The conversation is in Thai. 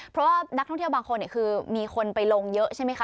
เพราะว่านักท่องเที่ยวบางคนคือมีคนไปลงเยอะใช่ไหมคะ